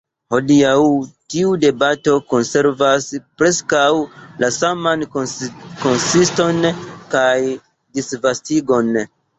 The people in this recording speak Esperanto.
Hodiaŭ tiu debato konservas preskaŭ la saman konsiston kaj disvastigon.